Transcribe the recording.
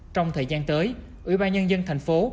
trong thời gian tới ủy ban nhân dân thành phố